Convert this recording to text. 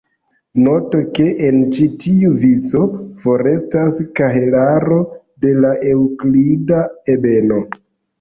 Noto ke en ĉi tiu vico forestas kahelaro de la eŭklida ebeno.